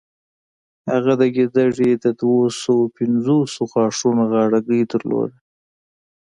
هغه د ګیدړې د دوهسوو پنځوسو غاښونو غاړکۍ درلوده.